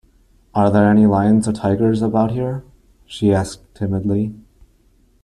‘Are there any lions or tigers about here?’ she asked timidly.